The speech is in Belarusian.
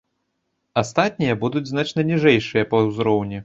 Астатнія будуць значна ніжэйшыя па узроўні.